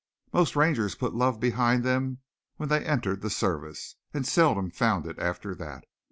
Most Rangers put love behind them when they entered the Service and seldom found it after that.